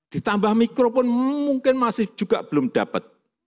ditambah mikro pun mungkin masih juga belum dapat